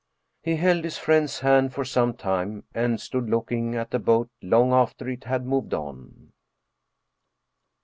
He held his friend's hand for some time, and stood looking at the boat long after it had moved on.